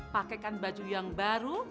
pakaikan baju yang baru